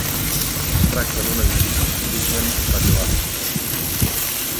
Es tracta d'un edifici d'origen medieval.